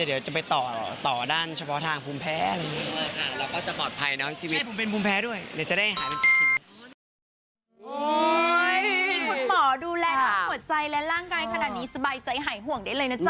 เดี๋ยวจะได้หายเป็นจริง